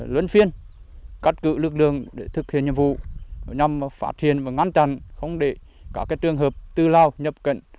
luyến phiên cắt cự lược đường để thực hiện nhiệm vụ nhằm phát triển và ngăn chặn không để cả trường hợp tư lao nhập cận